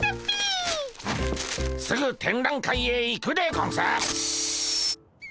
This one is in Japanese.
すぐ展覧会へ行くでゴンス！